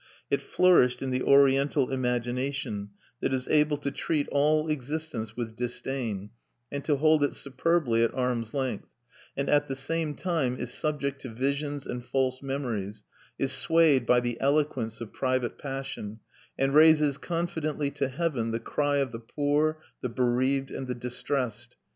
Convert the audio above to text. It flourished in the Oriental imagination that is able to treat all existence with disdain and to hold it superbly at arm's length, and at the same time is subject to visions and false memories, is swayed by the eloquence of private passion, and raises confidently to heaven the cry of the poor, the bereaved, and the distressed.